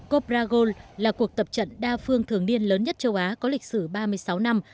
cop bragon là cuộc tập trận đa phương thường niên lớn nhất châu á có lịch sử ba mươi sáu năm